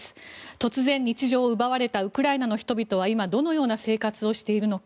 突然、日常を奪われたウクライナの人々は今、どのような生活をしているのか。